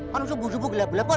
kan sebuah sebuah gelap gelap pak